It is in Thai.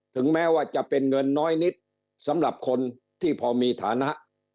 ถึงแม้ว่าจะเป็นเงินน้อยนิดสำหรับคนที่พอมีฐานะ